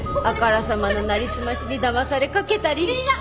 あからさまななりすましにだまされかけたり。